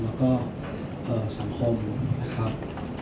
และสังคม